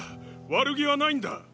悪気はないんだ！